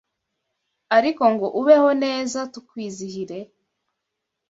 ariko ngo ubeho neza tukwizihire?